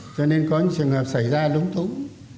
cho nên có những trường hợp xảy ra lúng túng